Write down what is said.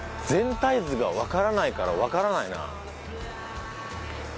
全体図がわからないからわからないな。